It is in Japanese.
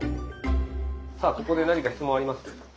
さあここで何か質問あります？